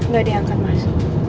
gak diangkat mas